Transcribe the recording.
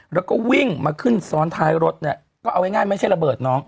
แล้วก็วิ่งมาขึ้นซ้อนท้ายรถเนี่ยก็เอาง่ายไม่ใช่ระเบิดน้อง